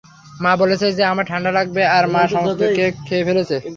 মা বলছে যে আমার ঠান্ডা লাগবে, আর মা সমস্ত কেক খেয়ে ফেলেছে।